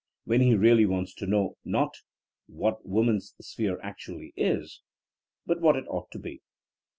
when he really wants to know not what woman's sphere actually is, but what it ought to be.